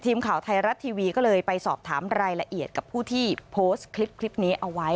ทีมข่าวไทยรัฐทีวีก็เลยไปสอบถามรายละเอียดกับผู้ที่โพสต์คลิปนี้เอาไว้